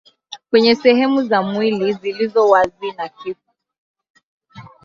kwenye sehemu za mwili zilizo wazi na kifo